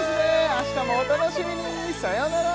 明日もお楽しみにさよなら